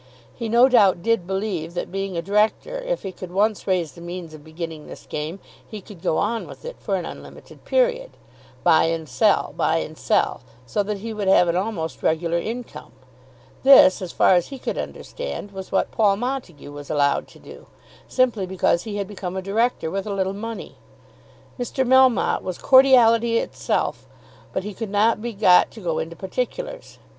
He no doubt did believe that, being a Director, if he could once raise the means of beginning this game, he could go on with it for an unlimited period; buy and sell, buy and sell; so that he would have an almost regular income. This, as far as he could understand, was what Paul Montague was allowed to do, simply because he had become a Director with a little money. Mr. Melmotte was cordiality itself, but he could not be got to go into particulars.